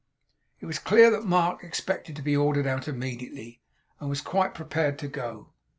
It was clear that Mark expected to be ordered out immediately, and was quite prepared to go.